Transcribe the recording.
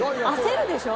焦るでしょ？